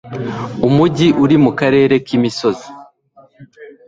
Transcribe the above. Umujyi uri mukarere k'imisozi.